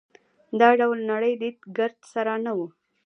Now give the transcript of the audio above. دا ډول نړۍ لید ګرد سره نه وو.